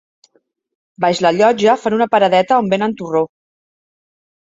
Baix la Llotja fan una paradeta on venen torró.